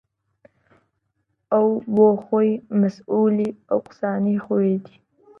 ئەو بۆ خۆی مەسئوولی ئەو قسانەی خۆیەتی